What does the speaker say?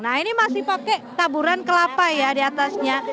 nah ini masih pakai taburan kelapa ya diatasnya